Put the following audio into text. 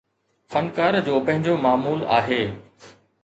فنڪار جو پنهنجو معمول آهي